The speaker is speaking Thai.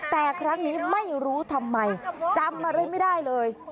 แต่ครั้งนี้ไม่รู้ทำไมจำอะไรไม่ได้เลย